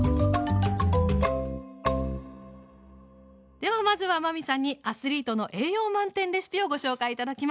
ではまずは真海さんにアスリートの栄養満点レシピをご紹介頂きます。